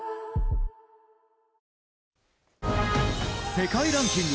世界ランキング